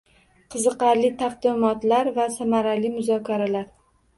Qiziqarli taqdimotlar va samarali muzokaralar